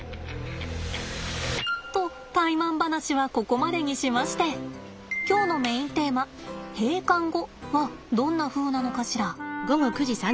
とタイマン話はここまでにしまして今日のメインテーマ閉館後はどんなふうなのかしら。